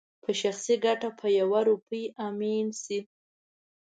په شخصي ګټه په يوه روپۍ امين شي